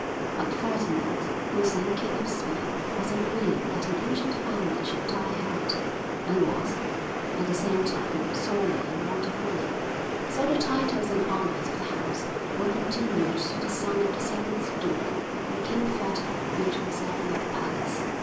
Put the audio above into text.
But Ferdinand, who was then King of Spain, was unwilling that an ancient family should die out, and was, at the same time, sorely in want of money; so the titles and honours of the house were continued to the son of the seventh duke, and King Ferdinand built himself another palace.